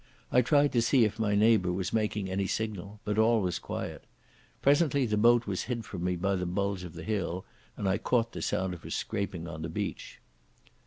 I tried to see if my neighbour was making any signal, but all was quiet. Presently the boat was hid from me by the bulge of the hill, and I caught the sound of her scraping on the beach.